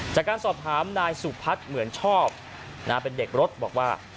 จากการสอบถามนายสุพัฒน์เหมือนชอบเป็นเด็กรถบอกว่า